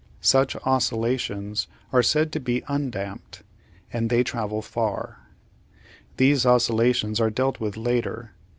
Such oscillations are said to be undamped, and they travel far. These oscillations are dealt with later.